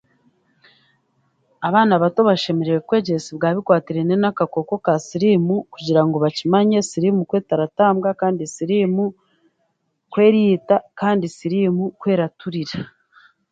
Abaana bato bashemereire kwegyesebwa aha bikwatiraine n'akakooko ka siriimu kugira ngu bakimanya siriimu ku etaratambwa kandi siriimu ku eriita, kandi siriimu ku eraturira.